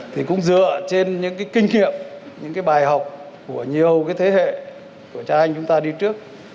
thì cũng dựa trên những cái kinh nghiệm những cái bài học của nhiều thế hệ của cha anh chúng ta đi trước